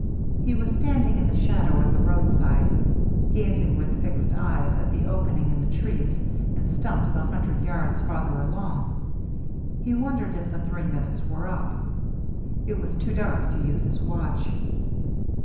He was standing in the shadow at the roadside, gazing with fixed eyes at the opening in the trees and stumps a hun dred yards farther along. He wondered if the three minutes were up. It was too dark to use his watch.